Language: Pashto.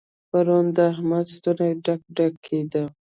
پرون د احمد ستونی ډک ډک کېد.